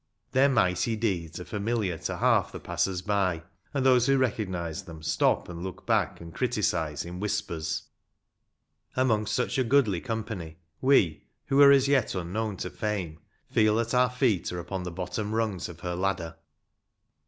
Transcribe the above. Their mighty deeds are familiar to half the passers by, and those who recognize them stop and look back and criti cize in whispers. Amongst such a goodly com pany we, who are as yet unknown to fame, feel that A MODERN GAME OF RUGBY FOOTBALL. 201 our feet are upon the bottom rungs of her ladder.